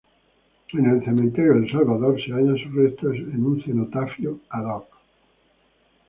En el Cementerio El Salvador se hallan sus restos, en un cenotafio "ad hoc".